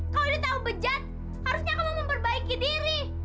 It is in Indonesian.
kau udah tahu bejat harusnya kamu memperbaiki diri